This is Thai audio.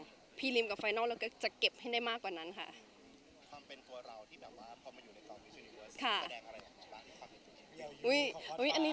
ไม่กดดันค่ะพรฟ้าถือกระติอย่างเดียวคือพรฟ้าต้องฆ่าไม่ตาย